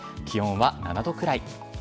気温は７度くらい。